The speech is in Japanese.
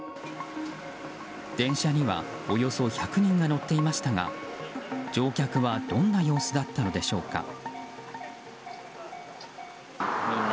電車には、およそ１００人が乗っていましたが乗客はどんな様子だったのでしょうか。